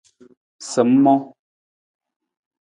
Sa ng mang?